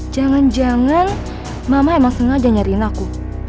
jangan jangan mama emang sengaja nyariin aku